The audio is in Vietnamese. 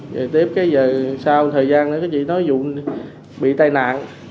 về tiếp cái giờ sau thời gian nữa chị nói vụ bị tai nạn